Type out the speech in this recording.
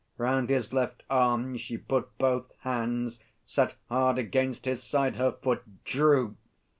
Round his left arm she put Both hands, set hard against his side her foot, Drew